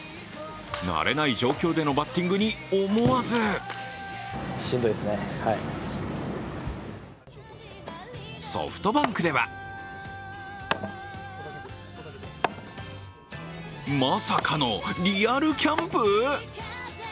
慣れない状況でのバッティングに思わずソフトバンクではまさかの、リアル・キャンプ？